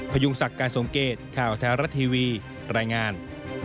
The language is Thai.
พยุงศักดิ์การสมเกตข่าวแท้รัฐทีวีรายงาน